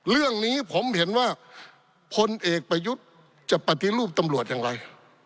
เรื่องนี้ผมเห็นว่าพลเอกประยุทธ์จะปฏิรูปตำรวจอย่างไร